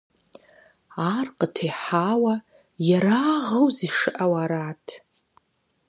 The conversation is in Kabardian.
Ар къытехьауэ ерагъыу зишыӀэу арат.